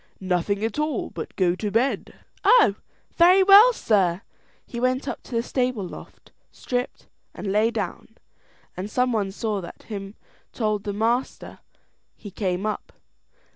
"Nothing at all, but to go to bed." "Oh, very well, sir." He went up on the stable loft, stripped, and lay down, and some one that saw him told the master. He came up.